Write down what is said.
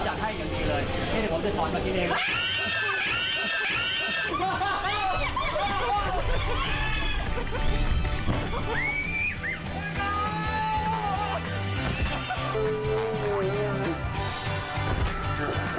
เท่าไหร่ผมจะถอนมากินเอง